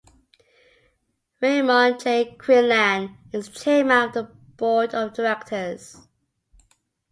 Raymond J. Quinlan is chairman of the Board of Directors.